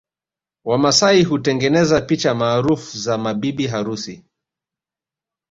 Wamasai hutengeneza picha maarufu za mabibi harusi